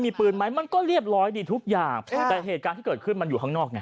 มีปืนไหมมันก็เรียบร้อยดีทุกอย่างแต่เหตุการณ์ที่เกิดขึ้นมันอยู่ข้างนอกไง